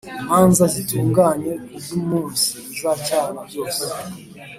imanza zitunganye ku by’umunsi uzacyana byose